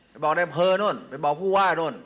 ไปบอกได้เผลอโน้นไปบอกผู้ว่าโน้น